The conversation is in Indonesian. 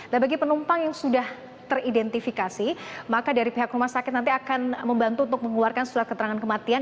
nah bagi penumpang yang sudah teridentifikasi maka dari pihak rumah sakit nanti akan membantu untuk mengeluarkan surat keterangan kematian